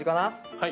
はい。